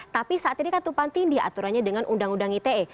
tapi saat ini kan tumpang tindih aturannya dengan undang undang ite